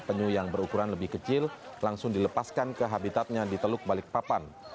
penyu yang berukuran lebih kecil langsung dilepaskan ke habitatnya di teluk balikpapan